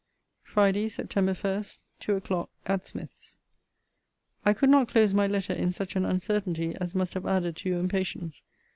FRIDAY, SEPT. 1, TWO O'CLOCK, AT SMITH'S. I could not close my letter in such an uncertainty as must have added to your impatience.